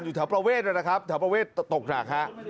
อยู่แถวประเวทแล้วครับแถวประเวทตกหนัก